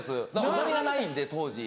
お金がないんで当時。